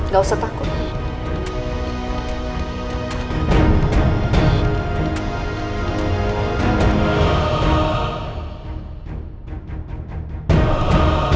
gak usah takut